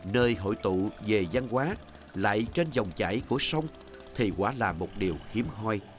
nơi hội tụ về văn hóa lại trên dòng chải của sông thì quá là một điều hiếm hoi